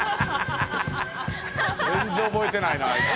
全然覚えてないなあいつ。